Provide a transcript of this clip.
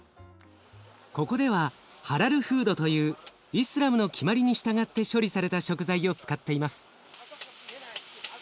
ここではハラルフードというイスラムの決まりに従って処理された食材を使っています。